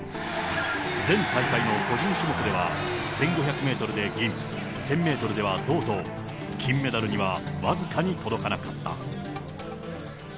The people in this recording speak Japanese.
前大会の個人種目では、１５００メートルで銀、１０００メートルでは銅と金メダルには僅かに届かなかった。